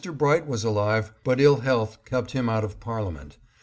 Bright was alive, bat ill health kept him out of Parlia ment.